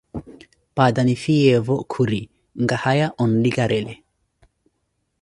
Panta nifhiyevo, khuri, nkahaya onlikarele.